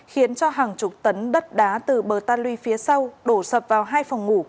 khiến cho hàng chục tấn đất đá từ bờ ta luy phía sau đổ sập vào hai phòng ngủ